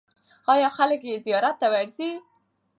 آیا خلک یې زیارت ته ورځي؟